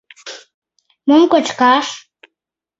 Мом кочкаш?